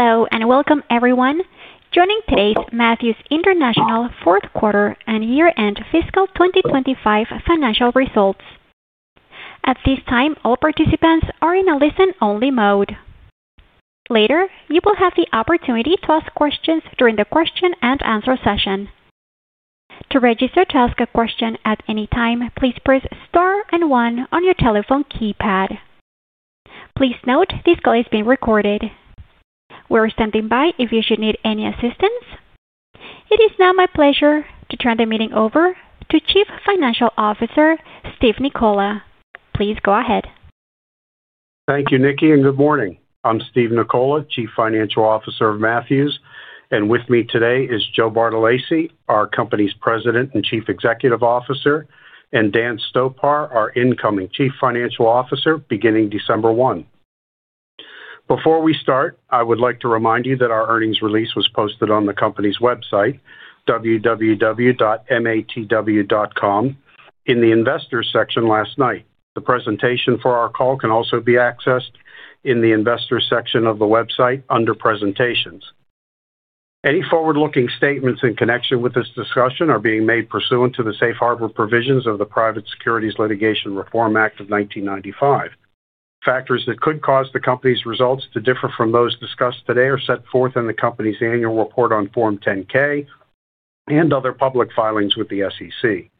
Hello and welcome, everyone, joining today's Matthews International Fourth Quarter and Year-End Fiscal 2025 financial results. At this time, all participants are in a listen-only mode. Later, you will have the opportunity to ask questions during the question and answer session. To register to ask a question at any time, please press star and one on your telephone keypad. Please note this call is being recorded. We are standing by if you should need any assistance. It is now my pleasure to turn the meeting over to Chief Financial Officer, Steve Nicola. Please go ahead. Thank you, Nikki, and good morning. I'm Steve Nicola, Chief Financial Officer of Matthews, and with me today is Joe Bartolacci, our company's President and Chief Executive Officer, and Dan Stopar, our incoming Chief Financial Officer, beginning December one. Before we start, I would like to remind you that our earnings release was posted on the company's website, www.matw.com, in the Investors section last night. The presentation for our call can also be accessed in the Investors section of the website under Presentations. Any forward-looking statements in connection with this discussion are being made pursuant to the safe harbor provisions of the Private Securities Litigation Reform Act of 1995. Factors that could cause the company's results to differ from those discussed today are set forth in the company's annual report on Form 10-K and other public filings with the SEC.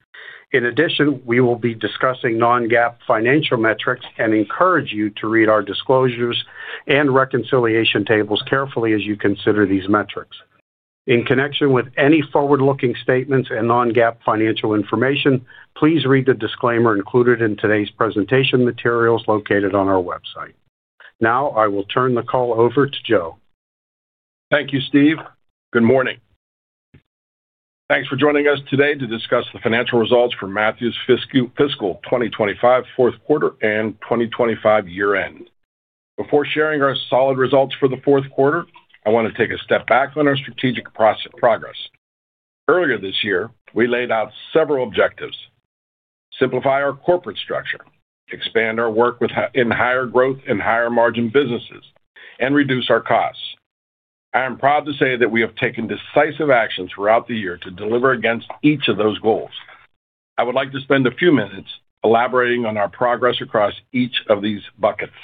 In addition, we will be discussing non-GAAP financial metrics and encourage you to read our disclosures and reconciliation tables carefully as you consider these metrics. In connection with any forward-looking statements and non-GAAP financial information, please read the disclaimer included in today's presentation materials located on our website. Now, I will turn the call over to Joe. Thank you, Steve. Good morning. Thanks for joining us today to discuss the financial results for Matthews Fiscal 2025 fourth quarter and 2025 year-end. Before sharing our solid results for the fourth quarter, I want to take a step back on our strategic progress. Earlier this year, we laid out several objectives: simplify our corporate structure, expand our work in higher growth and higher margin businesses, and reduce our costs. I am proud to say that we have taken decisive action throughout the year to deliver against each of those goals. I would like to spend a few minutes elaborating on our progress across each of these buckets.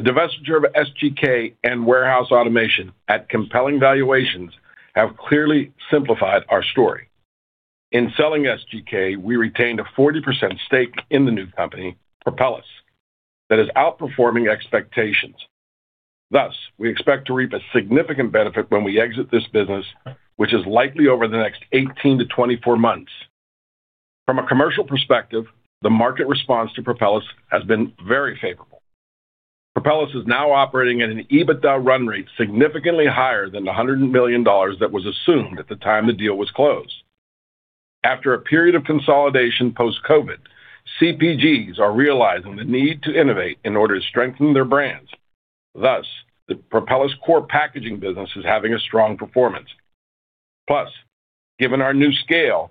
The divestiture of SGK and warehouse automation at compelling valuations has clearly simplified our story. In selling SGK, we retained a 40% stake in the new company, Propelus, that is outperforming expectations. Thus, we expect to reap a significant benefit when we exit this business, which is likely over the next 18-24 months. From a commercial perspective, the market response to Propelus has been very favorable. Propelus is now operating at an EBITDA run rate significantly higher than the $100 million that was assumed at the time the deal was closed. After a period of consolidation post-COVID, CPGs are realizing the need to innovate in order to strengthen their brands. Thus, the Propelus core packaging business is having a strong performance. Plus, given our new scale,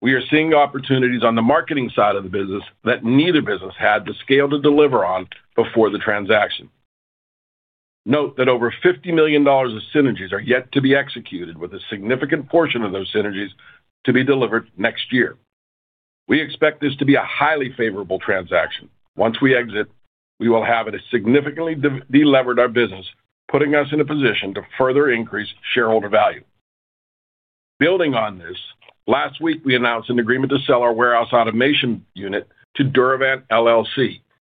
we are seeing opportunities on the marketing side of the business that neither business had the scale to deliver on before the transaction. Note that over $50 million of synergies are yet to be executed, with a significant portion of those synergies to be delivered next year. We expect this to be a highly favorable transaction. Once we exit, we will have significantly delevered our business, putting us in a position to further increase shareholder value. Building on this, last week we announced an agreement to sell our warehouse automation unit to Duravant,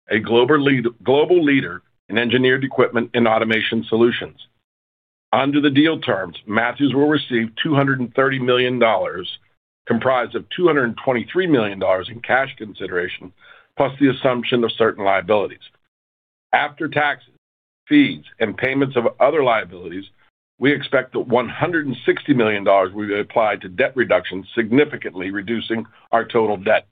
a global leader in engineered equipment and automation solutions. Under the deal terms, Matthews will receive $230 million, comprised of $223 million in cash consideration, plus the assumption of certain liabilities. After taxes, fees, and payments of other liabilities, we expect that $160 million will be applied to debt reduction, significantly reducing our total debt.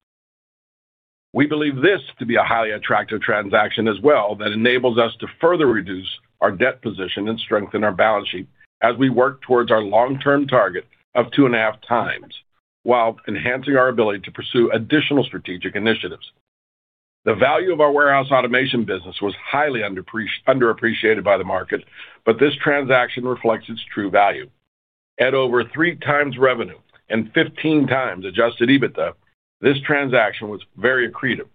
We believe this to be a highly attractive transaction as well, that enables us to further reduce our debt position and strengthen our balance sheet as we work towards our long-term target of two and a half times, while enhancing our ability to pursue additional strategic initiatives. The value of our warehouse automation business was highly underappreciated by the market, but this transaction reflects its true value. At over three times revenue and 15 times adjusted EBITDA, this transaction was very accretive.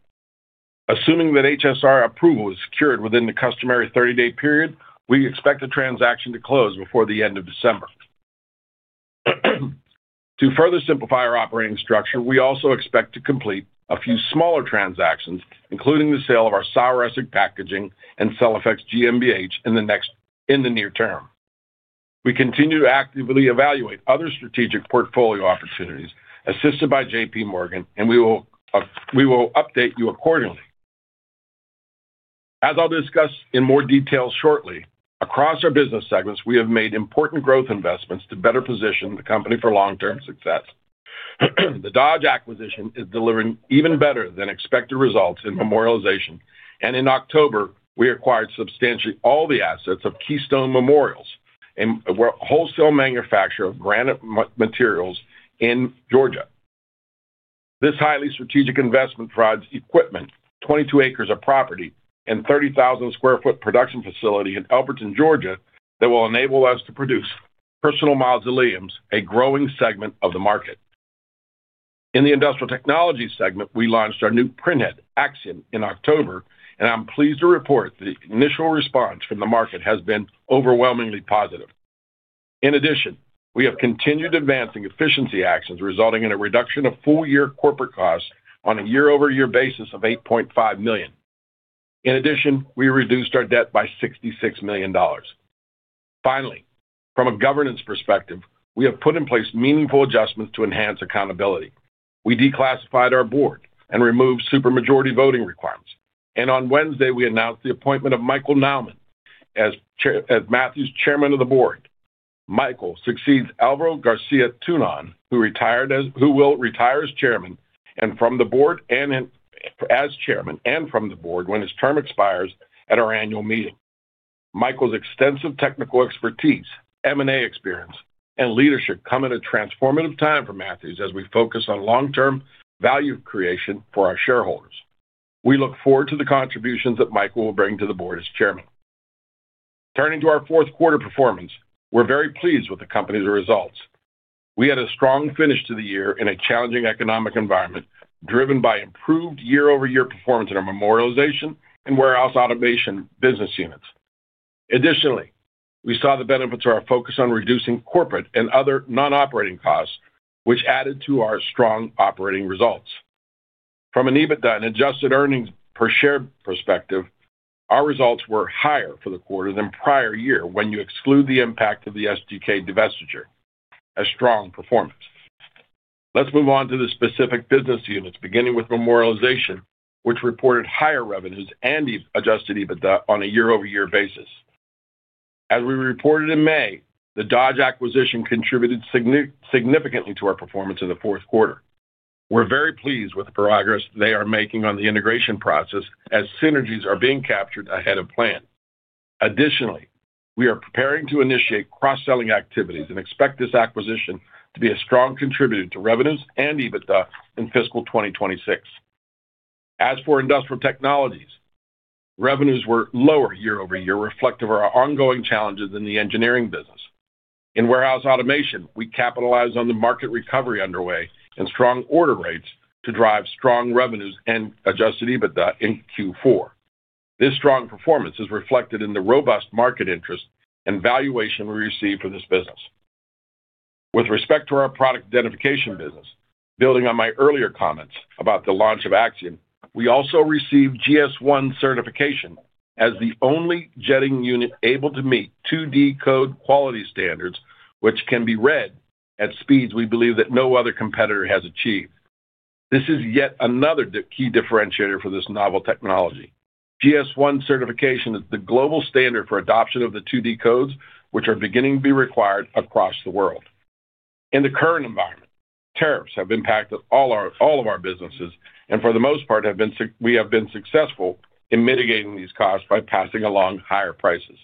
Assuming that HSR approval is secured within the customary 30-day period, we expect the transaction to close before the end of December. To further simplify our operating structure, we also expect to complete a few smaller transactions, including the sale of our Sawgrass packaging and CellFX in the near term. We continue to actively evaluate other strategic portfolio opportunities assisted by JPMorgan, and we will update you accordingly. As I'll discuss in more detail shortly, across our business segments, we have made important growth investments to better position the company for long-term success. The Dodge acquisition is delivering even better than expected results in memorialization, and in October, we acquired substantially all the assets of Keystone Memorials, a wholesale manufacturer of granite materials in Georgia. This highly strategic investment provides equipment, 22 acres of property, and 30,000 sq ft production facility in Elberton, Georgia, that will enable us to produce personal mausoleums, a growing segment of the market. In the industrial technology segment, we launched our new printhead, Axiom, in October, and I'm pleased to report the initial response from the market has been overwhelmingly positive. In addition, we have continued advancing efficiency actions, resulting in a reduction of full-year corporate costs on a year-over-year basis of $8.5 million. In addition, we reduced our debt by $66 million. Finally, from a governance perspective, we have put in place meaningful adjustments to enhance accountability. We declassified our board and removed supermajority voting requirements, and on Wednesday, we announced the appointment of Michael Naumann as Matthews' Chairman of the Board. Michael succeeds Alvaro Garcia Tunon, who will retire as Chairman and from the Board when his term expires at our annual meeting. Michael's extensive technical expertise, M&A experience, and leadership come at a transformative time for Matthews as we focus on long-term value creation for our shareholders. We look forward to the contributions that Michael will bring to the Board as Chairman. Turning to our fourth quarter performance, we're very pleased with the company's results. We had a strong finish to the year in a challenging economic environment, driven by improved year-over-year performance in our memorialization and warehouse automation business units. Additionally, we saw the benefits of our focus on reducing corporate and other non-operating costs, which added to our strong operating results. From an EBITDA and adjusted earnings per share perspective, our results were higher for the quarter than prior year when you exclude the impact of the SGK divestiture. A strong performance. Let's move on to the specific business units, beginning with memorialization, which reported higher revenues and adjusted EBITDA on a year-over-year basis. As we reported in May, the Dodge acquisition contributed significantly to our performance in the fourth quarter. We're very pleased with the progress they are making on the integration process, as synergies are being captured ahead of plan. Additionally, we are preparing to initiate cross-selling activities and expect this acquisition to be a strong contributor to revenues and EBITDA in fiscal 2026. As for industrial technologies, revenues were lower year-over-year, reflective of our ongoing challenges in the engineering business. In warehouse automation, we capitalized on the market recovery underway and strong order rates to drive strong revenues and adjusted EBITDA in Q4. This strong performance is reflected in the robust market interest and valuation we received for this business. With respect to our product identification business, building on my earlier comments about the launch of Axiom, we also received GS1 certification as the only jetting unit able to meet 2D code quality standards, which can be read at speeds we believe that no other competitor has achieved. This is yet another key differentiator for this novel technology. GS1 certification is the global standard for adoption of the 2D codes, which are beginning to be required across the world. In the current environment, tariffs have impacted all of our businesses, and for the most part, we have been successful in mitigating these costs by passing along higher prices.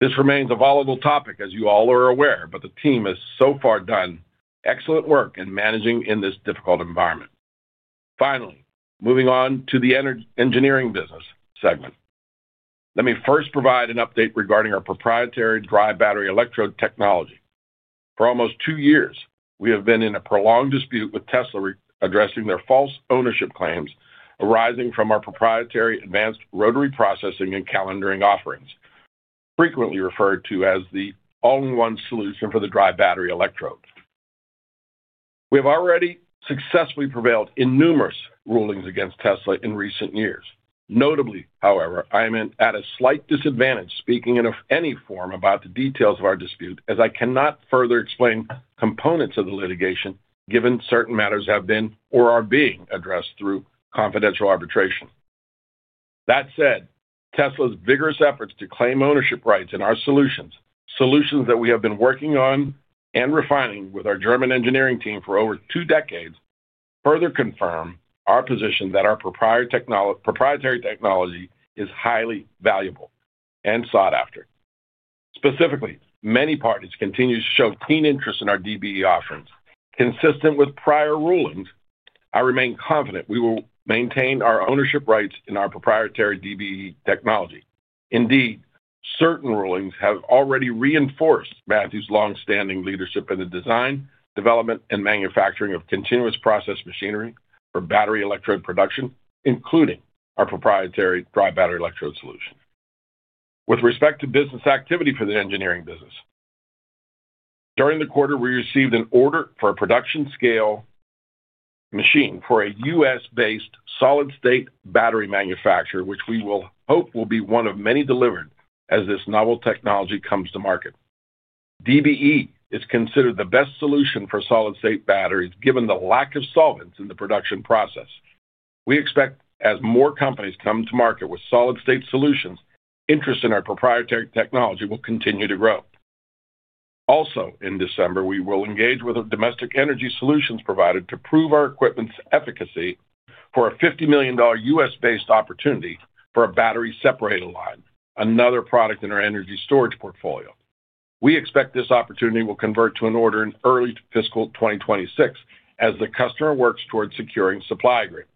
This remains a volatile topic, as you all are aware, but the team has so far done excellent work in managing in this difficult environment. Finally, moving on to the engineering business segment, let me first provide an update regarding our proprietary dry battery electrode technology. For almost two years, we have been in a prolonged dispute with Tesla addressing their false ownership claims arising from our proprietary advanced rotary processing and calendaring offerings, frequently referred to as the all-in-one solution for the dry battery electrodes. We have already successfully prevailed in numerous rulings against Tesla in recent years. Notably, however, I am at a slight disadvantage speaking in any form about the details of our dispute, as I cannot further explain components of the litigation, given certain matters have been or are being addressed through confidential arbitration. That said, Tesla's vigorous efforts to claim ownership rights in our solutions, solutions that we have been working on and refining with our German engineering team for over two decades, further confirm our position that our proprietary technology is highly valuable and sought after. Specifically, many parties continue to show keen interest in our D.B.E. offerings. Consistent with prior rulings, I remain confident we will maintain our ownership rights in our proprietary D.B.E. technology. Indeed, certain rulings have already reinforced Matthews' long-standing leadership in the design, development, and manufacturing of continuous process machinery for battery electrode production, including our proprietary dry battery electrode solution. With respect to business activity for the engineering business, during the quarter, we received an order for a production-scale machine for a U.S.-based solid-state battery manufacturer, which we will hope will be one of many delivered as this novel technology comes to market. D.B.E. is considered the best solution for solid-state batteries, given the lack of solvents in the production process. We expect as more companies come to market with solid-state solutions, interest in our proprietary technology will continue to grow. Also, in December, we will engage with our domestic energy solutions provider to prove our equipment's efficacy for a $50 million U.S.-based opportunity for a battery separator line, another product in our energy storage portfolio. We expect this opportunity will convert to an order in early fiscal 2026 as the customer works towards securing supply agreements.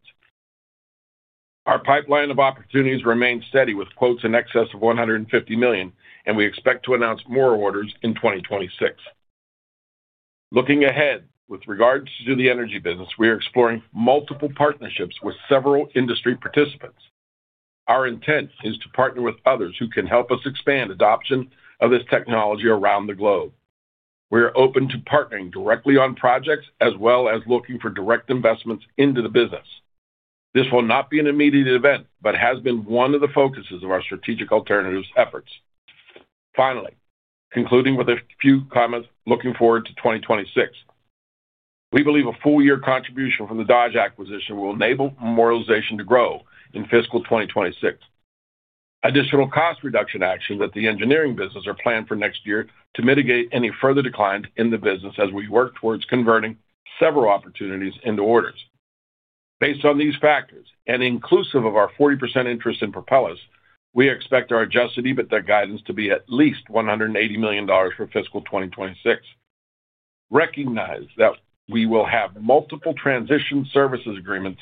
Our pipeline of opportunities remains steady with quotes in excess of $150 million, and we expect to announce more orders in 2026. Looking ahead with regards to the energy business, we are exploring multiple partnerships with several industry participants. Our intent is to partner with others who can help us expand adoption of this technology around the globe. We are open to partnering directly on projects as well as looking for direct investments into the business. This will not be an immediate event, but has been one of the focuses of our strategic alternatives efforts. Finally, concluding with a few comments, looking forward to 2026, we believe a full-year contribution from the Dodge acquisition will enable memorialization to grow in fiscal 2026. Additional cost reduction actions at the engineering business are planned for next year to mitigate any further declines in the business as we work towards converting several opportunities into orders. Based on these factors, and inclusive of our 40% interest in Propelus, we expect our adjusted EBITDA guidance to be at least $180 million for fiscal 2026. Recognize that we will have multiple transition services agreements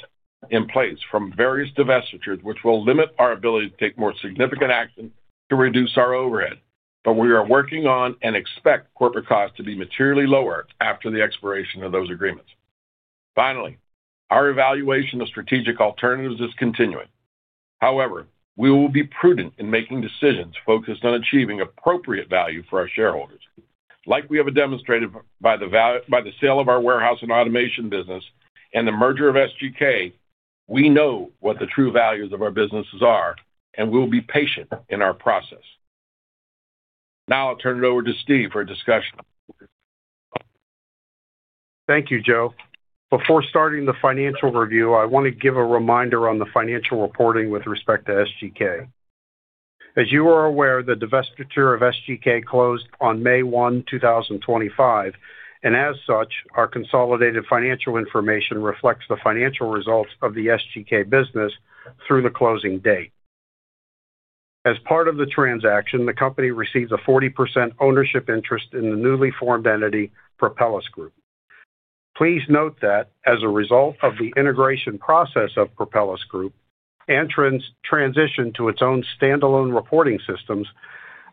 in place from various divestitures, which will limit our ability to take more significant action to reduce our overhead, but we are working on and expect corporate costs to be materially lower after the expiration of those agreements. Finally, our evaluation of strategic alternatives is continuing. However, we will be prudent in making decisions focused on achieving appropriate value for our shareholders. Like we have demonstrated by the sale of our warehouse automation business and the merger of SGK, we know what the true values of our businesses are, and we'll be patient in our process. Now I'll turn it over to Steve for a discussion. Thank you, Joe. Before starting the financial review, I want to give a reminder on the financial reporting with respect to SGK. As you are aware, the divestiture of SGK closed on May 1, 2025, and as such, our consolidated financial information reflects the financial results of the SGK business through the closing date. As part of the transaction, the company receives a 40% ownership interest in the newly formed entity Propelus Group. Please note that as a result of the integration process of Propelus Group and transition to its own standalone reporting systems,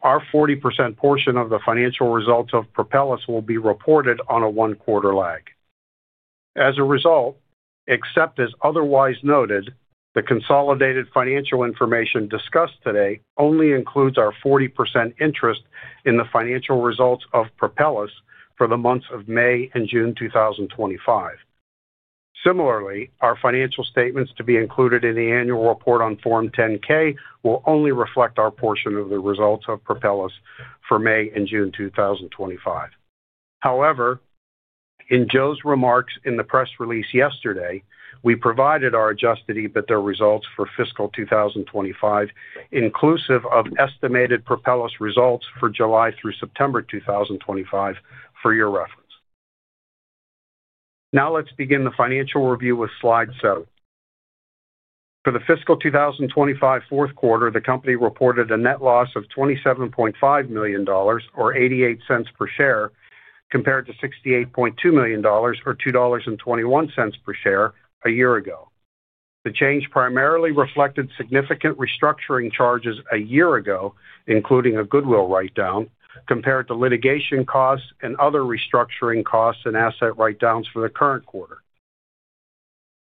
our 40% portion of the financial results of Propelus will be reported on a one-quarter lag. As a result, except as otherwise noted, the consolidated financial information discussed today only includes our 40% interest in the financial results of Propelus for the months of May and June 2025. Similarly, our financial statements to be included in the annual report on Form 10-K will only reflect our portion of the results of Propelus for May and June 2025. However, in Joe's remarks in the press release yesterday, we provided our adjusted EBITDA results for fiscal 2025, inclusive of estimated Propelus results for July through September 2025, for your reference. Now let's begin the financial review with slide seven. For the fiscal 2025 Fourth Quarter, the company reported a net loss of $27.5 million, or $0.88 per share, compared to $68.2 million, or $2.21 per share, a year ago. The change primarily reflected significant restructuring charges a year ago, including a goodwill write-down, compared to litigation costs and other restructuring costs and asset write-downs for the current quarter.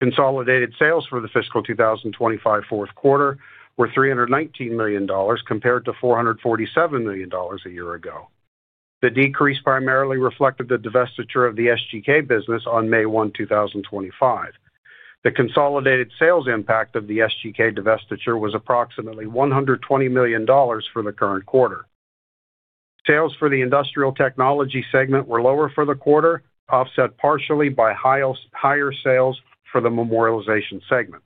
Consolidated sales for the fiscal 2025 Fourth Quarter were $319 million, compared to $447 million a year ago. The decrease primarily reflected the divestiture of the SGK business on May 1, 2025. The consolidated sales impact of the SGK divestiture was approximately $120 million for the current quarter. Sales for the industrial technology segment were lower for the quarter, offset partially by higher sales for the memorialization segment.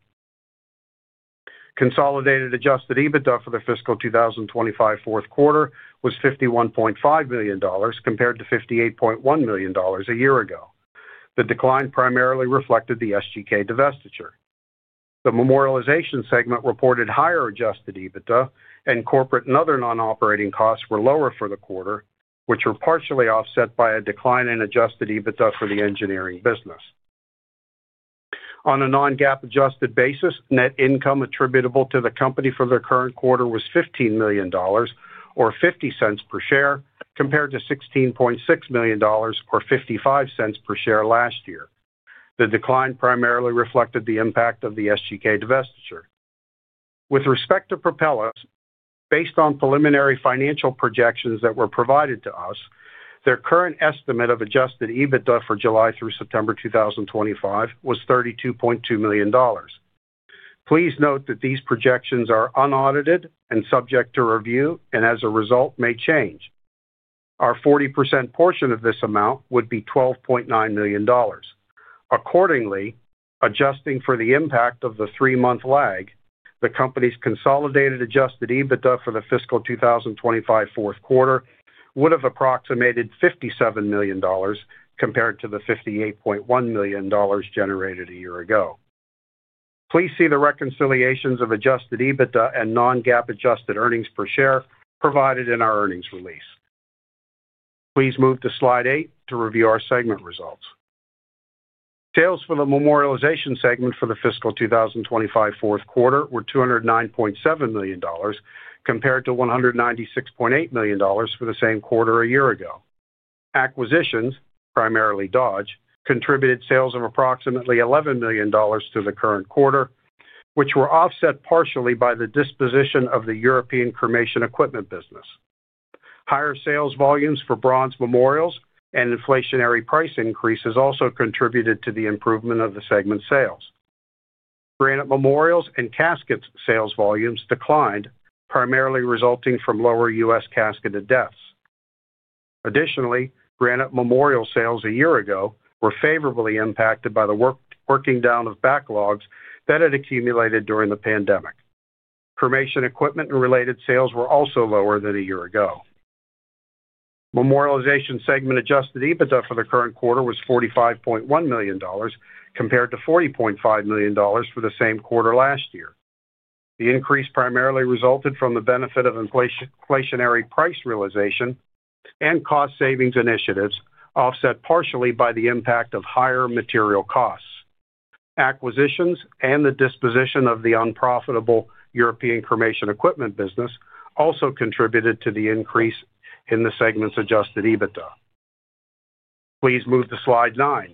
Consolidated adjusted EBITDA for the fiscal 2025 Fourth Quarter was $51.5 million, compared to $58.1 million a year ago. The decline primarily reflected the SGK divestiture. The memorialization segment reported higher adjusted EBITDA, and corporate and other non-operating costs were lower for the quarter, which were partially offset by a decline in adjusted EBITDA for the engineering business. On a non-GAAP adjusted basis, net income attributable to the company for the current quarter was $15 million, or $0.50 per share, compared to $16.6 million, or $0.55 per share last year. The decline primarily reflected the impact of the SGK divestiture. With respect to Propelus, based on preliminary financial projections that were provided to us, their current estimate of adjusted EBITDA for July through September 2025 was $32.2 million. Please note that these projections are unaudited and subject to review, and as a result, may change. Our 40% portion of this amount would be $12.9 million. Accordingly, adjusting for the impact of the three-month lag, the company's consolidated adjusted EBITDA for the fiscal 2025 fourth quarter would have approximated $57 million, compared to the $58.1 million generated a year ago. Please see the reconciliations of adjusted EBITDA and non-GAAP adjusted earnings per share provided in our earnings release. Please move to slide eight to review our segment results. Sales for the memorialization segment for the fiscal 2025 fourth quarter were $209.7 million, compared to $196.8 million for the same quarter a year ago. Acquisitions, primarily Dodge, contributed sales of approximately $11 million to the current quarter, which were offset partially by the disposition of the European cremation equipment business. Higher sales volumes for Bronze Memorials and inflationary price increases also contributed to the improvement of the segment sales. Granite Memorials and caskets sales volumes declined, primarily resulting from lower U.S. casketed deaths. Additionally, Granite Memorial sales a year ago were favorably impacted by the working down of backlogs that had accumulated during the pandemic. Cremation equipment and related sales were also lower than a year ago. Memorialization segment adjusted EBITDA for the current quarter was $45.1 million, compared to $40.5 million for the same quarter last year. The increase primarily resulted from the benefit of inflationary price realization and cost savings initiatives, offset partially by the impact of higher material costs. Acquisitions and the disposition of the unprofitable European cremation equipment business also contributed to the increase in the segment's adjusted EBITDA. Please move to slide nine.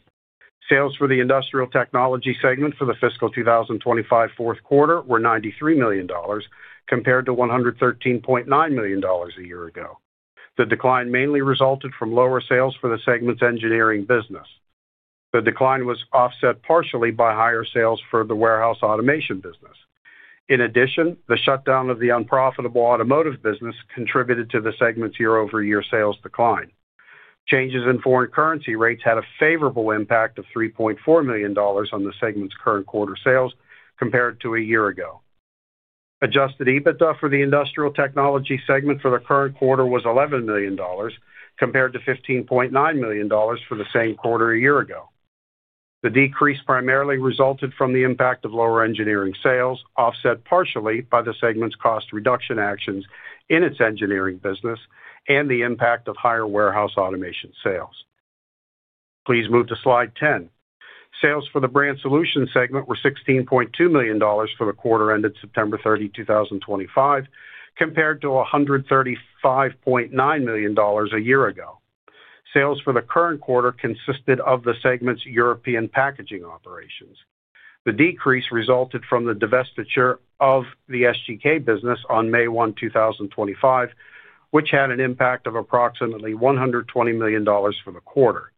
Sales for the industrial technology segment for the fiscal 2025 fourth quarter were $93 million, compared to $113.9 million a year ago. The decline mainly resulted from lower sales for the segment's engineering business. The decline was offset partially by higher sales for the warehouse automation business. In addition, the shutdown of the unprofitable automotive business contributed to the segment's year-over-year sales decline. Changes in foreign currency rates had a favorable impact of $3.4 million on the segment's current quarter sales, compared to a year ago. Adjusted EBITDA for the industrial technology segment for the current quarter was $11 million, compared to $15.9 million for the same quarter a year ago. The decrease primarily resulted from the impact of lower engineering sales, offset partially by the segment's cost reduction actions in its engineering business, and the impact of higher warehouse automation sales. Please move to slide ten. Sales for the brand solution segment were $16.2 million for the quarter ended September 30, 2025, compared to $135.9 million a year ago. Sales for the current quarter consisted of the segment's European packaging operations. The decrease resulted from the divestiture of the SGK business on May 1, 2025, which had an impact of approximately $120 million for the quarter.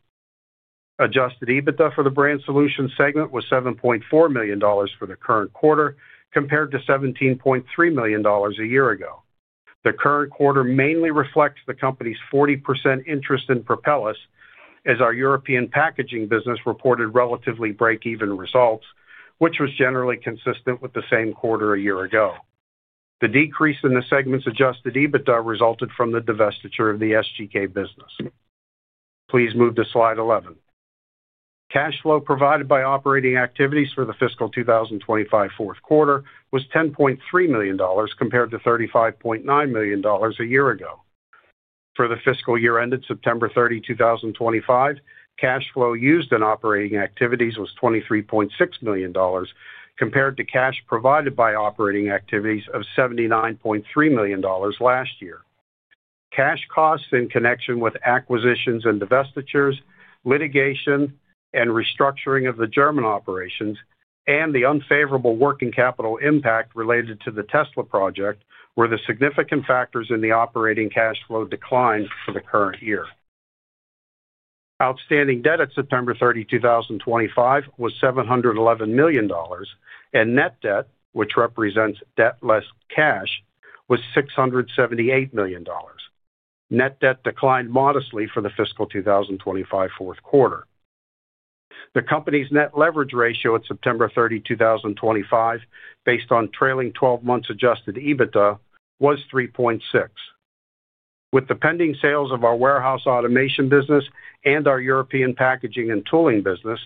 Adjusted EBITDA for the brand solution segment was $7.4 million for the current quarter, compared to $17.3 million a year ago. The current quarter mainly reflects the company's 40% interest in Propelus, as our European packaging business reported relatively break-even results, which was generally consistent with the same quarter a year ago. The decrease in the segment's adjusted EBITDA resulted from the divestiture of the SGK business. Please move to slide 11. Cash flow provided by operating activities for the fiscal 2025 fourth quarter was $10.3 million, compared to $35.9 million a year ago. For the fiscal year ended September 30, 2025, cash flow used in operating activities was $23.6 million, compared to cash provided by operating activities of $79.3 million last year. Cash costs in connection with acquisitions and divestitures, litigation and restructuring of the German operations, and the unfavorable working capital impact related to the Tesla project were the significant factors in the operating cash flow decline for the current year. Outstanding debt at September 30, 2025, was $711 million, and net debt, which represents debt less cash, was $678 million. Net debt declined modestly for the fiscal 2025 fourth quarter. The company's net leverage ratio at September 30, 2025, based on trailing 12 months adjusted EBITDA, was 3.6. With the pending sales of our warehouse automation business and our European packaging and tooling business,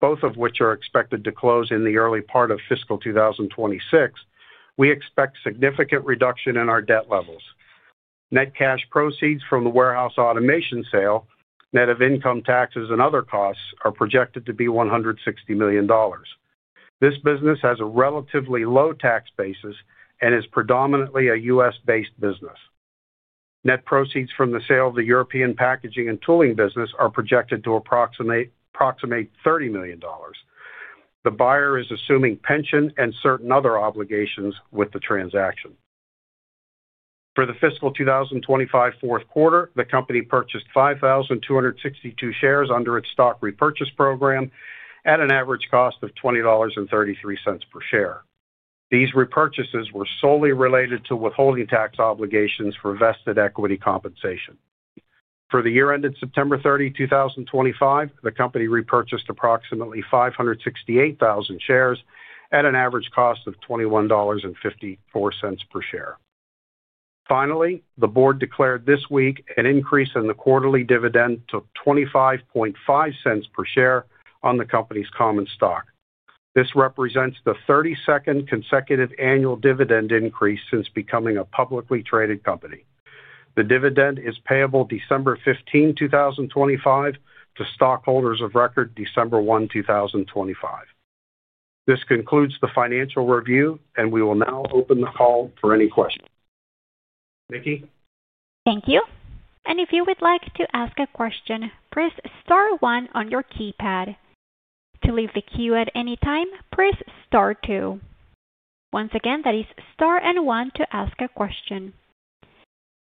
both of which are expected to close in the early part of fiscal 2026, we expect significant reduction in our debt levels. Net cash proceeds from the warehouse automation sale, net of income taxes and other costs, are projected to be $160 million. This business has a relatively low tax basis and is predominantly a U.S.-based business. Net proceeds from the sale of the European packaging and tooling business are projected to approximate $30 million. The buyer is assuming pension and certain other obligations with the transaction. For the fiscal 2025 fourth quarter, the company purchased 5,262 shares under its stock repurchase program at an average cost of $20.33 per share. These repurchases were solely related to withholding tax obligations for vested equity compensation. For the year ended September 30, 2025, the company repurchased approximately 568,000 shares at an average cost of $21.54 per share. Finally, the board declared this week an increase in the quarterly dividend to $0.2505 per share on the company's common stock. This represents the 32nd consecutive annual dividend increase since becoming a publicly traded company. The dividend is payable December 15, 2025, to stockholders of record December 1, 2025. This concludes the financial review, and we will now open the call for any questions. Nikki? Thank you. If you would like to ask a question, press Star one on your keypad. To leave the queue at any time, press Star two. Once again, that is Star and one to ask a question.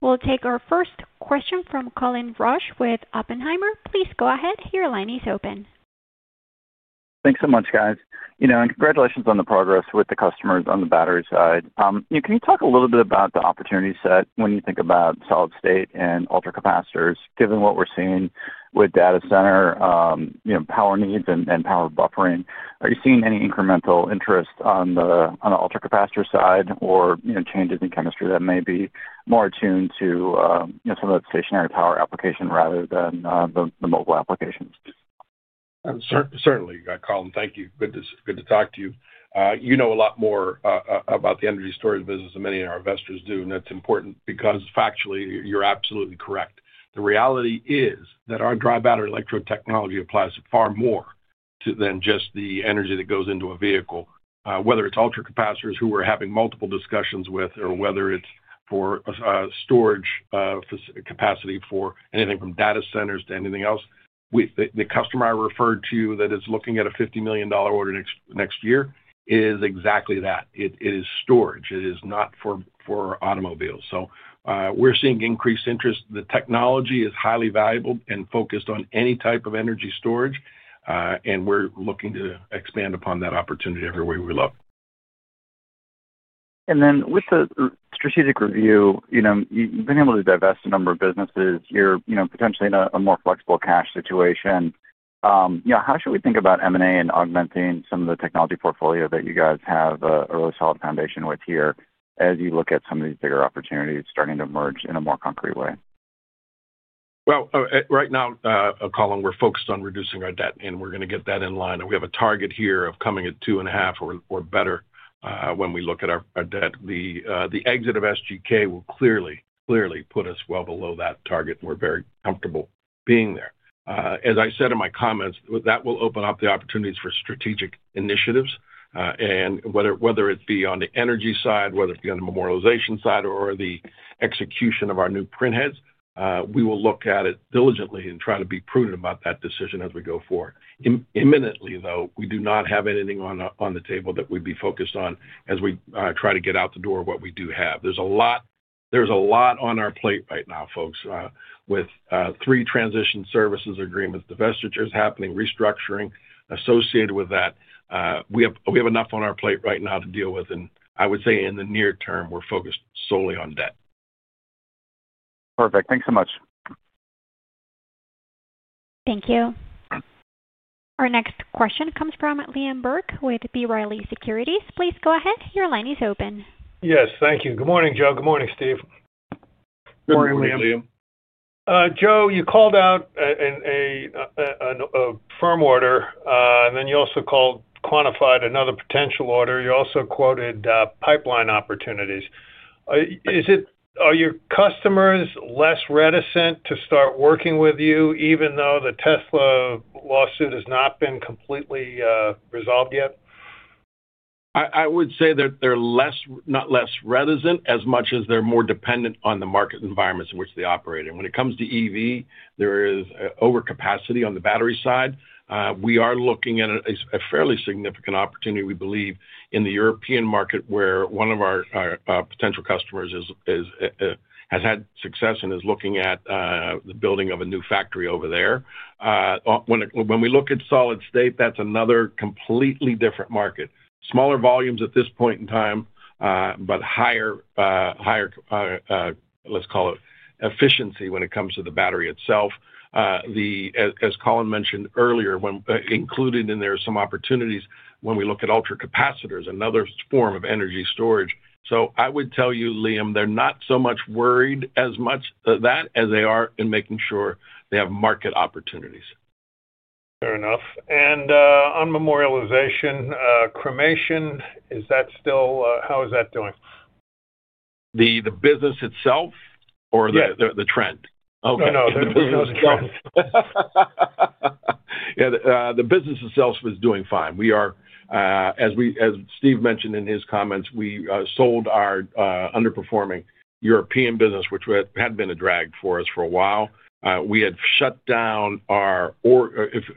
We'll take our first question from Colin Rusch with Oppenheimer. Please go ahead. Your line is open. Thanks so much, guys. You know, and congratulations on the progress with the customers on the battery side. Can you talk a little bit about the opportunity set when you think about solid state and ultra capacitors, given what we're seeing with data center power needs and power buffering? Are you seeing any incremental interest on the ultra capacitor side or changes in chemistry that may be more attuned to some of the stationary power application rather than the mobile applications? Certainly, Colin. Thank you. Good to talk to you. You know a lot more about the energy storage business than many of our investors do, and that's important because factually, you're absolutely correct. The reality is that our dry battery electrode technology applies far more than just the energy that goes into a vehicle, whether it's ultra capacitors who we're having multiple discussions with, or whether it's for storage capacity for anything from data centers to anything else. The customer I referred to that is looking at a $50 million order next year is exactly that. It is storage. It is not for automobiles. We are seeing increased interest. The technology is highly valuable and focused on any type of energy storage, and we're looking to expand upon that opportunity every way we love. Then with the strategic review, you've been able to divest a number of businesses. You're potentially in a more flexible cash situation. How should we think about M&A and augmenting some of the technology portfolio that you guys have a really solid foundation with here as you look at some of these bigger opportunities starting to emerge in a more concrete way? Right now, Colin, we're focused on reducing our debt, and we're going to get that in line. We have a target here of coming at two and a half or better when we look at our debt. The exit of SGK will clearly put us well below that target, and we're very comfortable being there. As I said in my comments, that will open up the opportunities for strategic initiatives, and whether it be on the energy side, whether it be on the memorialization side, or the execution of our new printheads, we will look at it diligently and try to be prudent about that decision as we go forward. Imminently, though, we do not have anything on the table that we'd be focused on as we try to get out the door of what we do have. There's a lot on our plate right now, folks, with three transition services agreements, divestitures happening, restructuring associated with that. We have enough on our plate right now to deal with, and I would say in the near term, we're focused solely on debt. Perfect. Thanks so much. Thank you. Our next question comes from Liam Burke with B. Riley Securities. Please go ahead. Your line is open. Yes. Thank you. Good morning, Joe. Good morning, Steve. Good morning, Liam. Joe, you called out a firm order, and then you also quantified another potential order. You also quoted pipeline opportunities. Are your customers less reticent to start working with you, even though the Tesla lawsuit has not been completely resolved yet? I would say they're not less reticent as much as they're more dependent on the market environments in which they operate. When it comes to E.V., there is overcapacity on the battery side. We are looking at a fairly significant opportunity, we believe, in the European market, where one of our potential customers has had success and is looking at building a new factory over there. When we look at solid state, that's another completely different market. Smaller volumes at this point in time, but higher, let's call it, efficiency when it comes to the battery itself. As Colin mentioned earlier, included in there are some opportunities when we look at ultra capacitors, another form of energy storage. I would tell you, Liam, they're not so much worried as much of that as they are in making sure they have market opportunities. Fair enough. On memorialization, cremation, is that still how is that doing? The business itself or the trend? Okay. No, no. The business itself was doing fine. As Steve mentioned in his comments, we sold our underperforming European business, which had been a drag for us for a while. We had shut down our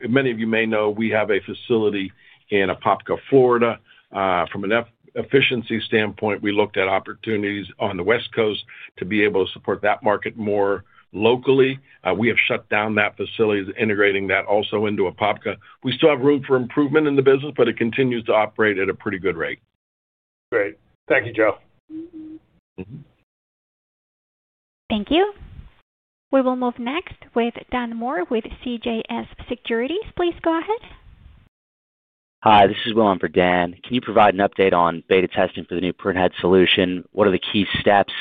many of you may know we have a facility in Apopka, Florida. From an efficiency standpoint, we looked at opportunities on the West Coast to be able to support that market more locally. We have shut down that facility, integrating that also into Apopka. We still have room for improvement in the business, but it continues to operate at a pretty good rate. Great. Thank you, Joe. Thank you. We will move next with Dan Moore with CJS Securities. Please go ahead. Hi. This is Willum for Dan. Can you provide an update on beta testing for the new printhead solution? What are the key steps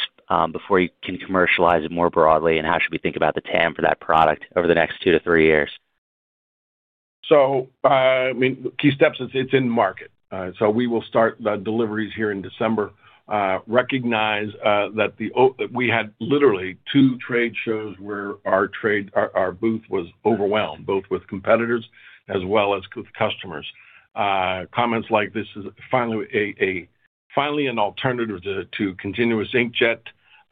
before you can commercialize it more broadly, and how should we think about the TAM for that product over the next two to three years? Key steps, it's in the market. We will start the deliveries here in December. Recognize that we had literally two trade shows where our booth was overwhelmed, both with competitors as well as with customers. Comments like this is finally an alternative to continuous inkjet.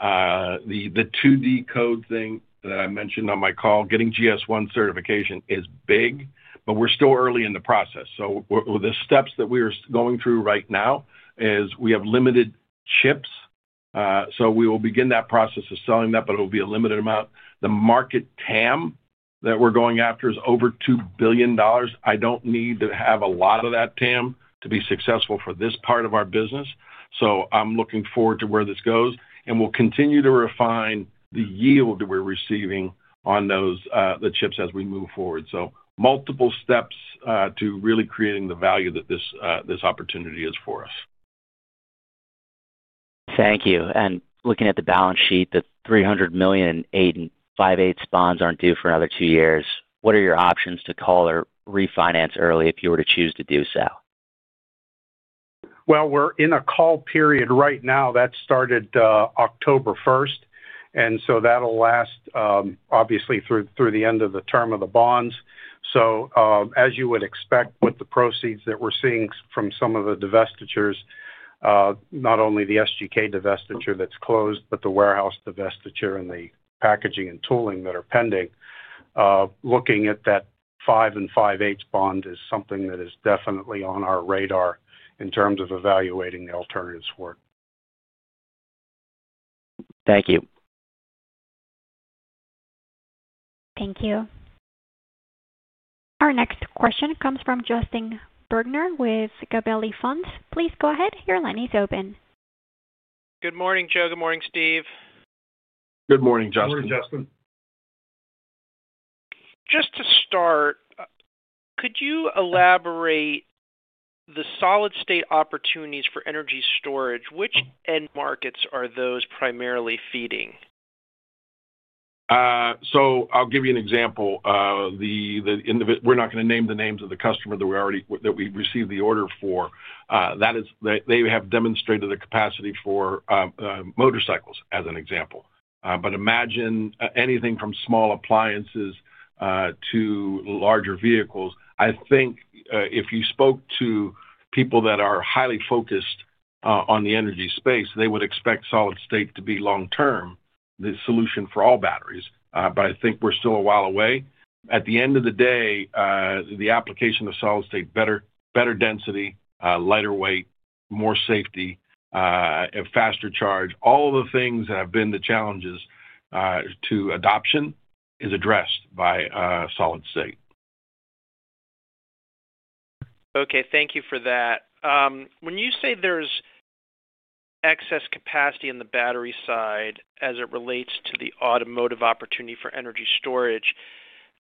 The 2D code thing that I mentioned on my call, getting GS1 certification is big, but we're still early in the process. The steps that we are going through right now is we have limited chips. We will begin that process of selling that, but it will be a limited amount. The market TAM that we're going after is over $2 billion. I don't need to have a lot of that TAM to be successful for this part of our business. I am looking forward to where this goes, and we'll continue to refine the yield that we're receiving on the chips as we move forward. Multiple steps to really creating the value that this opportunity is for us. Thank you. Looking at the balance sheet, the $300 million in 5/8 bonds are not due for another two years. What are your options to call or refinance early if you were to choose to do so? We are in a call period right now. That started October one, and that will last, obviously, through the end of the term of the bonds. As you would expect with the proceeds that we are seeing from some of the divestitures, not only the SGK divestiture that is closed, but the warehouse divestiture and the packaging and tooling that are pending, looking at that 5 and 5/8 bond is something that is definitely on our radar in terms of evaluating the alternatives for it. Thank you. Thank you. Our next question comes from Justin Bergner with Gabelli Funds.Please go ahead. Your line is open. Good morning, Joe. Good morning, Steve. Good morning, Justin. Good morning, Justin. Just to start, could you elaborate the solid state opportunities for energy storage? Which end markets are those primarily feeding? I'll give you an example. We're not going to name the names of the customer that we received the order for. They have demonstrated the capacity for motorcycles as an example. Imagine anything from small appliances to larger vehicles. I think if you spoke to people that are highly focused on the energy space, they would expect solid state to be long-term the solution for all batteries. I think we're still a while away. At the end of the day, the application of solid state, better density, lighter weight, more safety, faster charge, all of the things that have been the challenges to adoption is addressed by solid state. Okay. Thank you for that. When you say there's excess capacity on the battery side as it relates to the automotive opportunity for energy storage,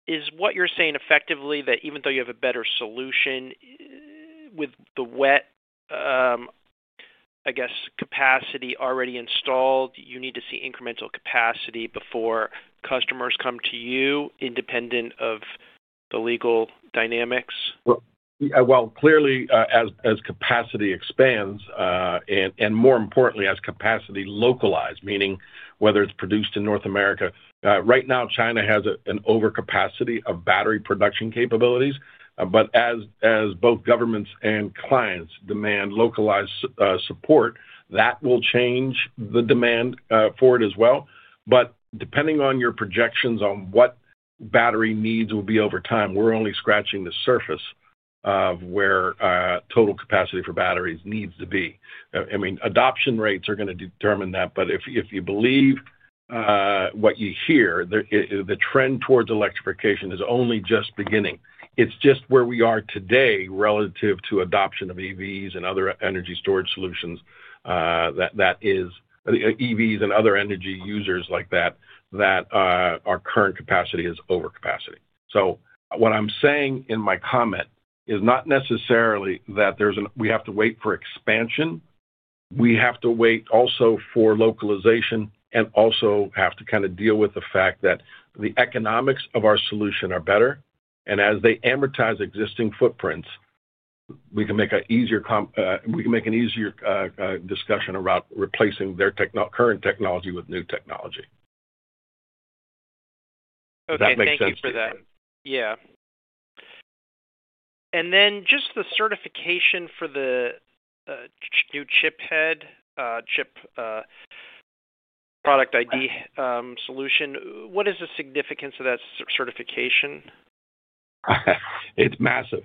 is what you're saying effectively that even though you have a better solution with the wet, I guess, capacity already installed, you need to see incremental capacity before customers come to you independent of the legal dynamics? Clearly, as capacity expands and more importantly, as capacity localizes, meaning whether it's produced in North America. Right now, China has an overcapacity of battery production capabilities. As both governments and clients demand localized support, that will change the demand for it as well. Depending on your projections on what battery needs will be over time, we're only scratching the surface of where total capacity for batteries needs to be. I mean, adoption rates are going to determine that. If you believe what you hear, the trend towards electrification is only just beginning. It's just where we are today relative to adoption of EVs and other energy storage solutions, that is, EVs and other energy users like that, that our current capacity is overcapacity. What I'm saying in my comment is not necessarily that we have to wait for expansion. We have to wait also for localization and also have to kind of deal with the fact that the economics of our solution are better. As they amortize existing footprints, we can make an easier discussion around replacing their current technology with new technology. If that makes sense. Thank you for that. Yeah. And then just the certification for the new chiphead, chip product ID solution, what is the significance of that certification? It's massive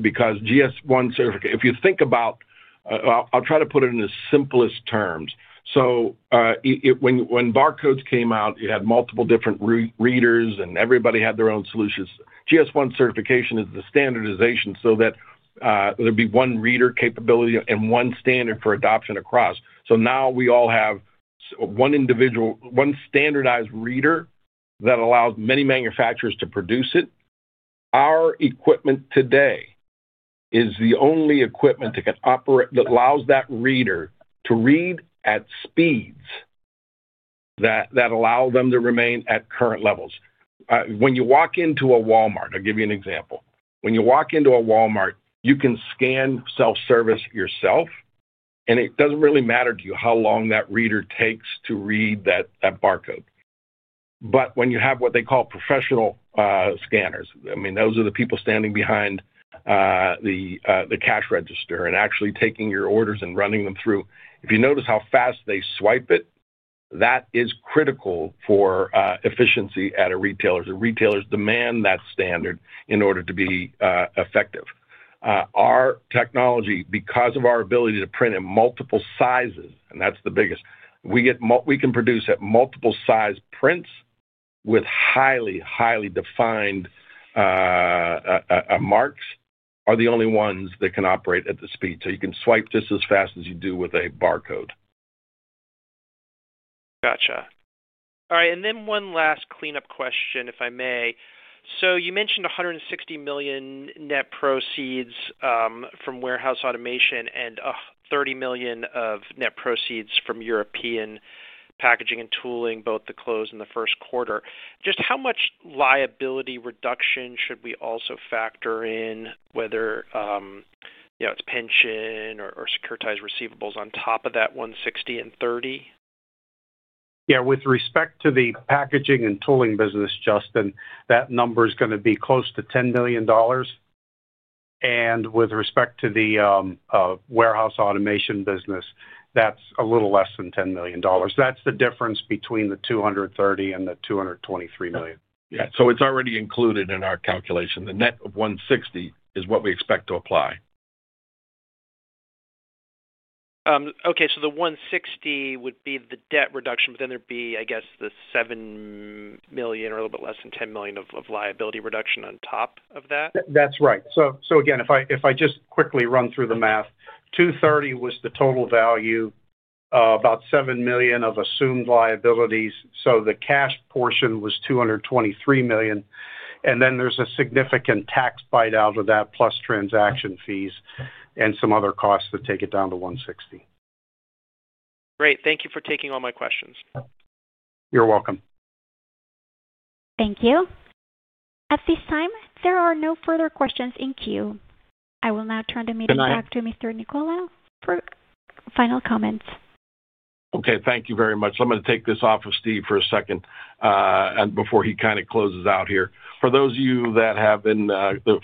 because GS1 certificate, if you think about, I'll try to put it in the simplest terms. When barcodes came out, you had multiple different readers, and everybody had their own solutions. GS1 certification is the standardization so that there'd be one reader capability and one standard for adoption across. Now we all have one standardized reader that allows many manufacturers to produce it. Our equipment today is the only equipment that allows that reader to read at speeds that allow them to remain at current levels. When you walk into a Walmart, I'll give you an example. When you walk into a Walmart, you can scan self-service yourself, and it does not really matter to you how long that reader takes to read that barcode. When you have what they call professional scanners, I mean, those are the people standing behind the cash register and actually taking your orders and running them through. If you notice how fast they swipe it, that is critical for efficiency at a retailer. Retailers demand that standard in order to be effective. Our technology, because of our ability to print in multiple sizes, and that is the biggest, we can produce at multiple size prints with highly, highly defined marks, are the only ones that can operate at the speed. You can swipe just as fast as you do with a barcode. Gotcha. All right. One last cleanup question, if I may. You mentioned $160 million net proceeds from warehouse automation and $30 million of net proceeds from European packaging and tooling, both to close in the first quarter. Just how much liability reduction should we also factor in, whether it is pension or securitized receivables on top of that $160 million and $30 million? Yeah. With respect to the packaging and tooling business, Justin, that number is going to be close to $10 million. And with respect to the warehouse automation business, that is a little less than $10 million. That is the difference between the $230 million and the $223 million. Yeah. So it is already included in our calculation. The net of $160 million is what we expect to apply. Okay. So the $160 million would be the debt reduction, but then there would be, I guess, the $7 million or a little bit less than $10 million of liability reduction on top of that? That is right. If I just quickly run through the math, $230 million was the total value, about $7 million of assumed liabilities. The cash portion was $223 million. Then there's a significant tax bite out of that, plus transaction fees and some other costs that take it down to $160 million. Great. Thank you for taking all my questions. You're welcome. Thank you. At this time, there are no further questions in queue. I will now turn the meeting back to Mr. Nicola for final comments. Thank you very much. I'm going to take this off of Steve for a second before he kind of closes out here. For those of you that have been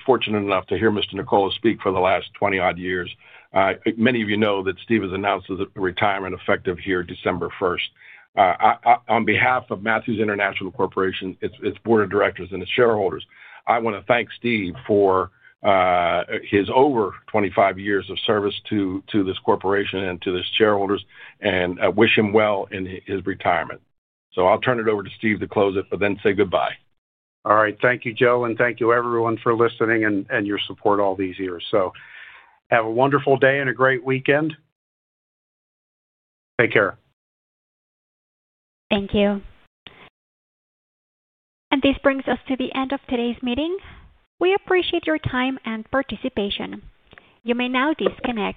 fortunate enough to hear Mr. Nicola speak for the last 20-odd years, many of you know that Steve has announced his retirement effective here December 1st, 2025. On behalf of Matthews International Corporation, its board of directors, and its shareholders, I want to thank Steve for his over 25 years of service to this corporation and to its shareholders and wish him well in his retirement. I'll turn it over to Steve to close it, but then say goodbye. All right. Thank you, Joe, and thank you, everyone, for listening and your support all these years. Have a wonderful day and a great weekend. Take care. Thank you. This brings us to the end of today's meeting. We appreciate your time and participation. You may now disconnect.